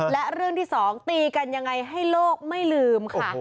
และเรื่องที่สองตีกันยังไงให้โลกไม่ลืมค่ะ